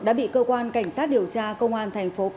đã bị cơ quan cảnh sát điều tra công an tp pi